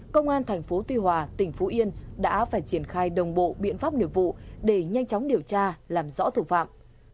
công an tp tuy hòa tỉnh phú yên đã phải triển khai đồng bộ biện pháp nghiệp vụ để nhanh chóng điều tra làm rõ thủ phạm